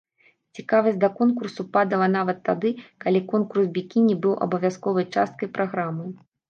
Цікавасць да конкурсу падала нават тады, калі конкурс бікіні быў абавязковай часткай праграмы.